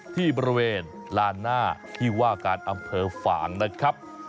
ที่บริเวณลานหน้าที่ว่าการอำเภอฝางนะครับ